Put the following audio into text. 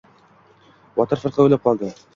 Botir firqa o‘ylab qoldi.